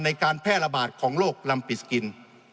ในการแพร่ระบาดของโรคลัมปิสกิน